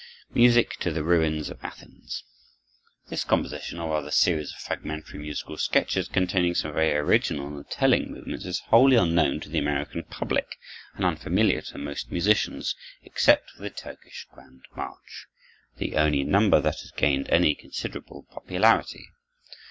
Beethoven: Music to "The Ruins of Athens" This composition, or rather series of fragmentary musical sketches, containing some very original and telling movements, is wholly unknown to the American public, and unfamiliar to most musicians, except for the "Turkish Grand March," the only number that has gained any considerable popularity.